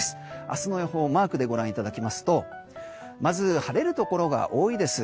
明日の予報をマークでご覧いただきますとまず晴れるところが多いです。